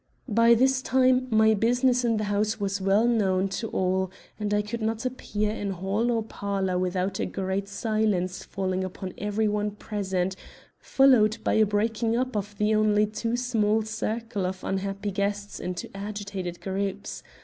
By this time my business in the house was well known to all, and I could not appear in hall or parlor without a great silence falling upon every one present, followed by a breaking up of the only too small circle of unhappy guests into agitated groups.